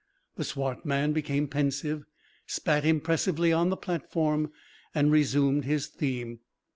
The swart man became pensive, spat impressively on the platform, and resumed his theme.